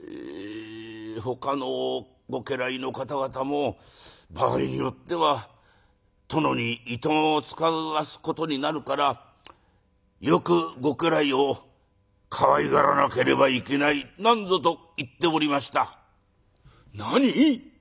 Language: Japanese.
ほかのご家来の方々も場合によっては殿にいとまを遣わすことになるからよくご家来をかわいがらなければいけないなんぞと言っておりました」。